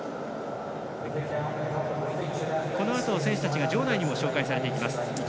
このあと選手たちが場内にも紹介されていきます。